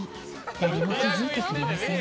誰も気付いてくれません。